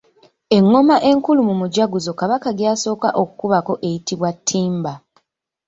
Engoma enkulu mu mujaguzo Kabaka gy'asooka okukubako eyitibwa Ttimba.